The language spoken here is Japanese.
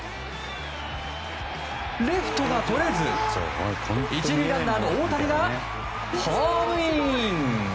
レフトがとれず、１塁ランナーの大谷がホームイン。